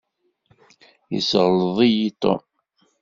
Yesseɣleḍ-iyi Tom.